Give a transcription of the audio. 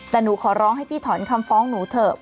แต่หนูขอร้องให้พี่ถอนคำฟ้องหนูเถอะ